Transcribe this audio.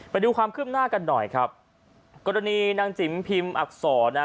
ไปดูความคืบหน้ากันหน่อยครับกรณีนางจิ๋มพิมพ์อักษรนะฮะ